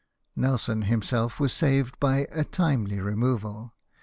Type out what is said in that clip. Nelson himself was saved by a timely removal.